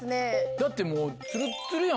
だってもう。